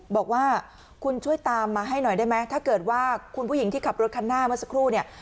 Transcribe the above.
บอกว่าคุณช่วยตามมาให้หน่อยได้ไหมถ้าเกิดว่าคุณผู้หญิงที่ขับรถคันหน้าเมื่อสักครู่เนี่ย